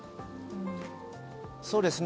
そうですね。